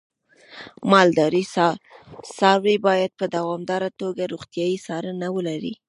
د مالدارۍ څاروی باید په دوامداره توګه روغتیايي څارنه ولري.